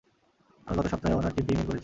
আমি গত সপ্তাহে উনার টিমকে ই-মেইল করেছি।